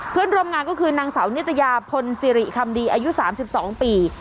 เพื่อนร่วมงานก็คือนางสาวนิตยาพลสิริคำดีอายุ๓๒ปี